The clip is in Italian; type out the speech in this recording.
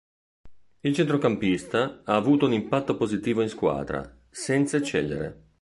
Il centrocampista ha avuto un impatto positivo in squadra, senza eccellere.